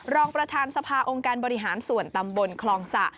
รองประธานสภาองค์การบริหารส่วนตำบลคลองสะ